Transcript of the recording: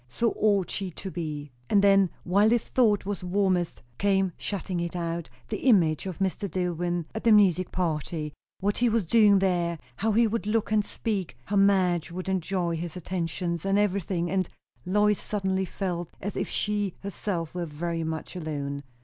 So ought she to be. And then, while this thought was warmest, came, shutting it out, the image of Mr. Dillwyn at the music party; what he was doing there, how he would look and speak, how Madge would enjoy his attentions, and everything; and Lois suddenly felt as if she herself were very much alone.